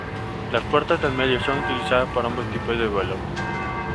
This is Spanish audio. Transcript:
Las puertas del medio son utilizada por ambos tipos de vuelo.